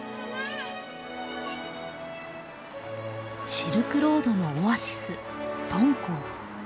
シルクロードのオアシス敦煌。